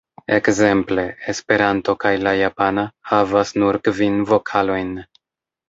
Ekzemple, Esperanto kaj la japana havas nur kvin vokalojn.